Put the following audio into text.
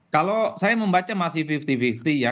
kalau saya membaca masih lima puluh lima puluh ya